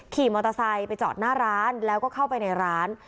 ขี่มอเตอร์ไซค์ไปจอดหน้าร้านแล้วก็เข้าไปในร้าน